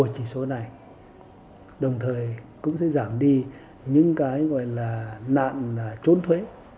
thì số này đồng thời cũng sẽ giảm đi những cái gọi là nạn trốn thuế